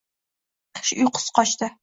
Qish uyqusi qochdi